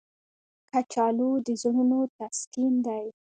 کچالو د زړونو تسکین دی